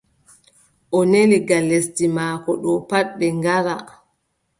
O neli ngal lesdi maako ɗo pat ɓe ngara.